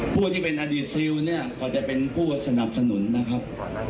ผู้ที่เป็นอดีตซิลเนี่ยก็จะเป็นผู้สนับสนุนนะครับ